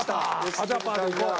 アジャパーでいこう。